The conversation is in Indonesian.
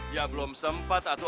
ya belum sempat atu